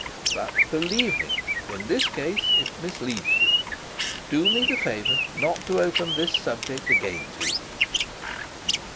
But, believe me, in this case it misleads you. Do me the favor not to open this subject again to me."